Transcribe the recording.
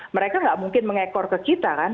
mereka nggak mungkin mengekor ke kita kan